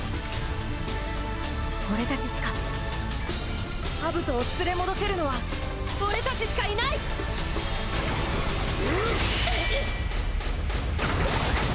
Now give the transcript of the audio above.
俺たちしかアブトを連れ戻せるのは俺たちしかいない！うっ！